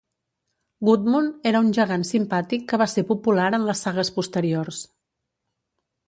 Gudmund era un gegant simpàtic que va ser popular en les sagues posteriors.